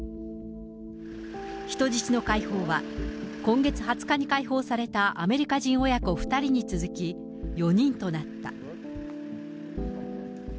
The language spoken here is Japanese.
人質の解放は、今月２０日に解放されたアメリカ人親子２人に続き、４人となった。